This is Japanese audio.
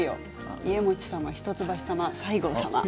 家茂様、一橋様、西郷様と。